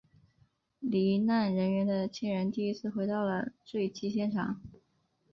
罹难人员的亲人第一次回到了坠机现场。